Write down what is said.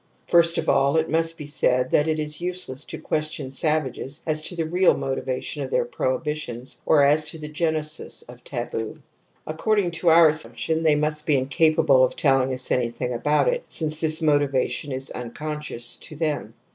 First of aH.it must be said that it is useless to question savages as to then'eal motiYation of their prohibitions 6r as to the genesis of tabpp. ^ According to our assumption they must be (incapable of telling us anything about it since this motivation is ' unconscious f to them.